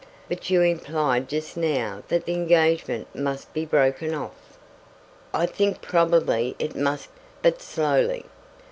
"But you implied just now that the engagement must be broken off." "I think probably it must; but slowly."